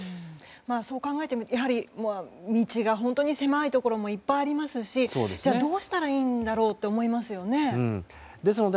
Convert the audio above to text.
そう考えてもやはり道が本当に狭いところもいっぱいありますしじゃあどうしたらいいんだろうと思いますよね。